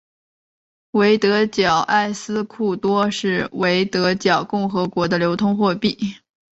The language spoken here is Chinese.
维德角埃斯库多是维德角共和国的流通货币。